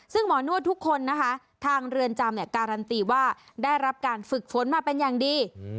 ซึ่งหมอนวดทุกคนนะคะทางเรือนจำการันตีว่าได้รับการฝึกฝนมาเป็นอย่างดี